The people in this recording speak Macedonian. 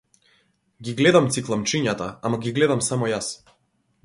Ги гледам цикламчињата, ама ги гледам само јас.